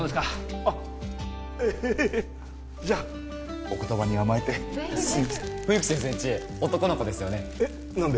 あっええじゃお言葉に甘えてぜひぜひ冬木先生んち男の子ですよねえっ何で？